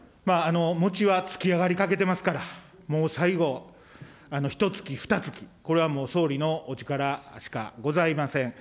餅はつき上がりかけてますから、もう最後、ひとつき、ふたつき、これはもう総理のお力しかございません。